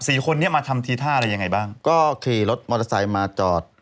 คนนี้มาทำทีท่าอะไรยังไงบ้างก็ขี่รถมอเตอร์ไซค์มาจอด